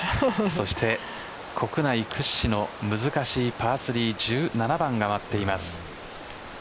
そして国内屈指の難しいパー３１７番が待っています。